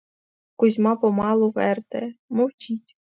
Кузьма помалу вертає, мовчить.